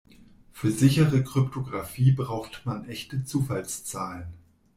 Für sichere Kryptographie braucht man echte Zufallszahlen.